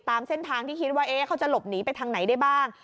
ตามเส้นทางที่คิดว่าเขาจะหลบหนีไปทางไหนได้บ้าง